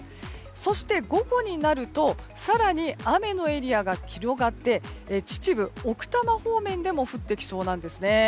そして午後になると更に雨のエリアが広がって秩父、奥多摩方面でも降ってきそうなんですね。